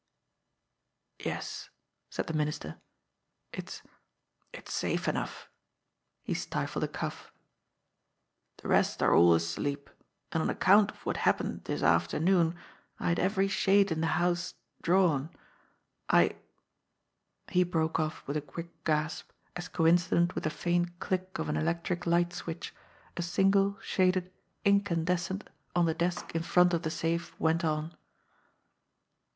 "Yes," said the Minister. "It's it's safe enough." He stifled a cough. "The rest are all asleep; and on account of what happened this afternoon, I had every shade in the house drawn. I " He broke off with a quick gasp, as coincident with the faint click of an electric light switch, a single, shaded incandescent on the desk in front of the safe went on.